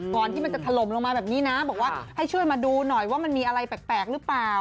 ที่มันจะถล่มลงมาแบบนี้นะบอกว่าให้ช่วยมาดูหน่อยว่ามันมีอะไรแปลกหรือเปล่า